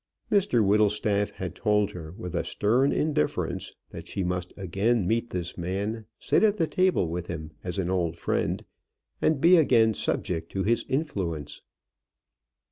Mr Whittlestaff had told her with a stern indifference that she must again meet this man, sit at the table with him as an old friend, and be again subject to his influence.